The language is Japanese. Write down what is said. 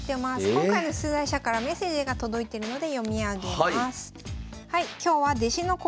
今回の出題者からメッセージが届いてるので読み上げます。